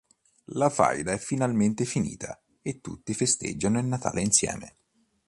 La faida è finalmente finita e tutti festeggiano il Natale insieme.